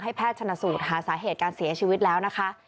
แพทย์ชนสูตรหาสาเหตุการเสียชีวิตแล้วนะคะ